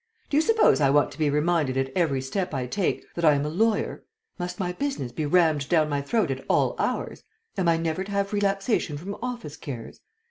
Do you suppose I want to be reminded at every step I take that I am a lawyer? Must my business be rammed down my throat at all hours? Am I never to have relaxation from office cares?